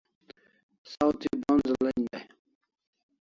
Saw thi bronz len dai